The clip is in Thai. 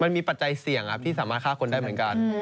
มันมีปัจจัยเสี่ยงที่สามารถฆ่าคนได้เหมือนกัน